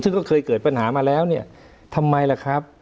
ซึ่งก็เคยเกิดปัญหามาแล้วเนี่ยทำไมล่ะครับ